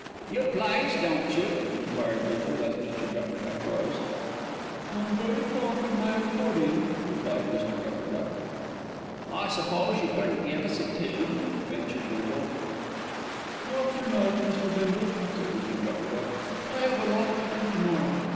"You plays, don't you?" enquired Bindle, as Mr. Gupperduck rose. "I am very fond of my accordion," replied Mr. Gupperduck. "I suppose you couldn't give us a tune?" ventured Bindle. "Not to night, Mr. Bindle," said Mr. Gupperduck. "I have a lot to do to morrow."